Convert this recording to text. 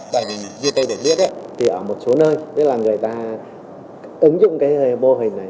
tại vì như tôi đã biết ở một số nơi người ta ứng dụng bô hình này